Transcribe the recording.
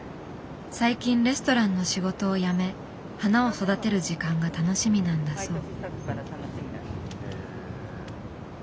最近レストランの仕事を辞め花を育てる時間が楽しみなんだそう。